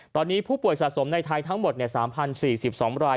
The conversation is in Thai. ตอนนี้ผู้ป่วยสะสมในไทยทั้งหมด๓๐๔๒ราย